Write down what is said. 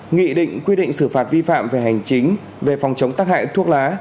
nghị định quy định xử phạt vi phạm về hành chính về phòng chống tắc hại thuốc lá